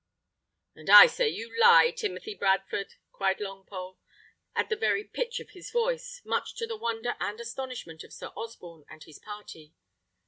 "And I say you lie, Timothy Bradford!" cried Longpole, at the very pitch of his voice, much to the wonder and astonishment of Sir Osborne and his party.